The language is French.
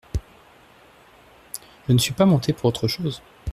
Je ne suis pas montée pour autre chose.